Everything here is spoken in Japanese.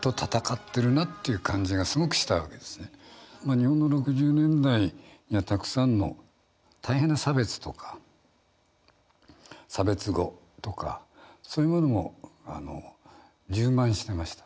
日本の６０年代にはたくさんの大変な差別とか差別語とかそういうものも充満してました。